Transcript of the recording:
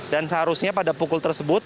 dan seharusnya pada pukul tersebut